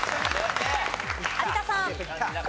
有田さん。